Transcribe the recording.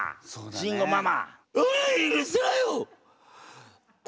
慎吾ママ！